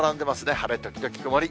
晴れ時々曇り。